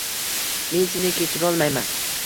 Men seni kechirolmayman